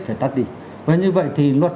phải tắt đi và như vậy thì luật